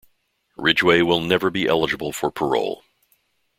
Ridgway will never be eligible for parole.